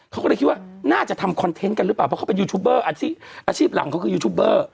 เขาก็เลยคิดว่าน่าจะทำคอนเทนต์กันหรือเปล่าเพราะเขาเป็นยูทูบเบอร์อาชีพหลังเขาคือยูทูบเบอร์